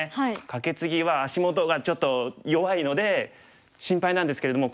カケツギは足元がちょっと弱いので心配なんですけれども。